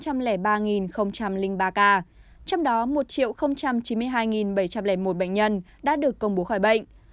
trong đó một chín mươi hai bảy trăm linh một bệnh nhân đã được công bố khỏi bệnh